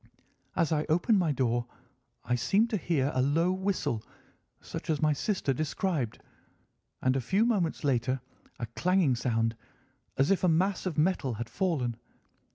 As I opened my door I seemed to hear a low whistle, such as my sister described, and a few moments later a clanging sound, as if a mass of metal had fallen.